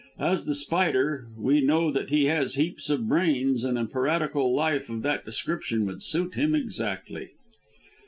As The Spider, we know that he has heaps of brains, and a piratical life of that description would suit him exactly."